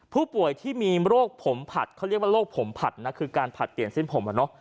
ผู้ป่วยที่มีโรคผมผัดเขาเรียกว่าโรคผมผัดนะคือการผลัดเปลี่ยนเส้นผมอ่ะเนอะ